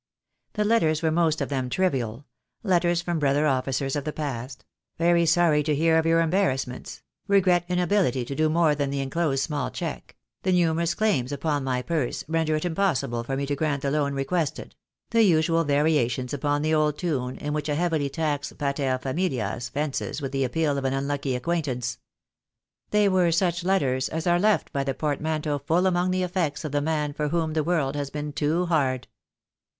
The letters were most of them trivial — letters from brother officers of the past — "very sorry to hear of your embarrassments," "regret inability to do more than the enclosed small cheque," "the numerous claims upon my purse render it impossible for me to grant the loan re quested," the usual variations upon the old tune in which a heavily taxed pater familias fences with the appeal of an unlucky acquaintance. They were such letters as are left by the portmanteau full among the effects of the man for whom the world has been too hard.